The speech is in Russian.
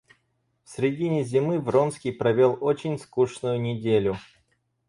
В средине зимы Вронский провел очень скучную неделю.